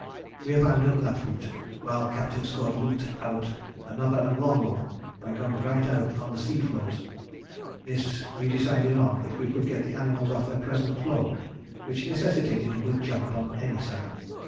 We abandoned that route, while Captain Scott looked out another and longer one by going right out on the sea floes. This we decided on, if we could get the animals off their present floe, which necessitated a good jump on any side.